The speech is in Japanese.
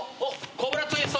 コブラツイスト！